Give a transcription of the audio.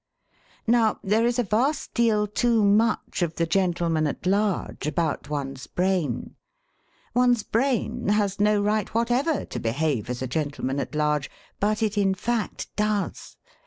Now, there is a vast deal too much of the gentleman at large about one's brain. One's brain has no right whatever to behave as a gentleman at large: but it in fact does.